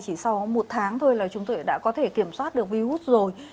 chỉ sau một tháng thôi là chúng tôi đã có thể kiểm soát được virus rồi